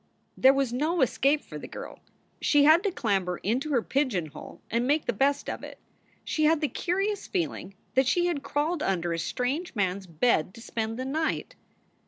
There was no escape for the girl. She had to clamber into SOULS FOR SALE 75 her pigeonhole and make the best of it. She had the curious feeling that she had crawled under a strange man s bed to spend the night.